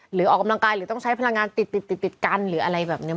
ออกกำลังกายหรือต้องใช้พลังงานติดติดกันหรืออะไรแบบนี้